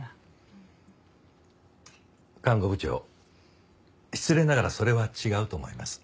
看護部長失礼ながらそれは違うと思います。